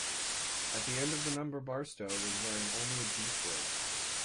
At the end of the number Barstow was wearing only a G-string.